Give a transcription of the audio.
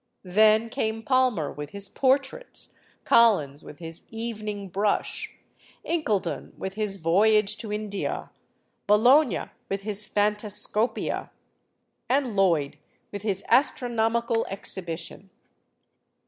Then came Palmer with his "Portraits," Collins with his "Evening Brush," Incledon with his "Voyage to India," Bologna with his "Phantascopia," and Lloyd with his "Astronomical Exhibition."